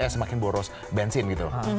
semakin boros bensin gitu